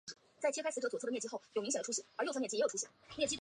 兴化话本来都保留着的鼻韵母。